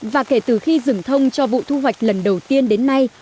và kể từ khi rừng thông cho vụ thu hoạch lần đầu tiên đến nay